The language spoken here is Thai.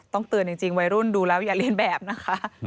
เตือนจริงวัยรุ่นดูแล้วอย่าเรียนแบบนะคะ